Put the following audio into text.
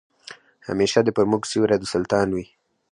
همېشه دي پر موږ سیوری د سلطان وي